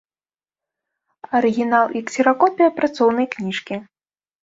Арыгінал і ксеракопія працоўнай кніжкі.